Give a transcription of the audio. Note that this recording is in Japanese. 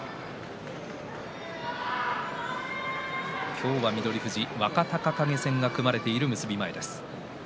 今日は翠富士若隆景戦が組まれている結び前です。